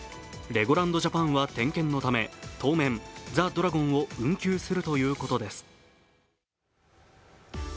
レゴランド・ジャパンは点検のため当面、ザ・ドラゴンを運休するということです。